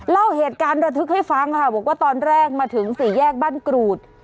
เล่าเหตุการณ์ระทึกให้ฟังค่ะบอกว่าตอนแรกมาถึงสี่แยกบ้านกรูด